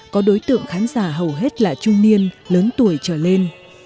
có đối tượng khán giả hầu hết là trung niên lớn tuổi trở lên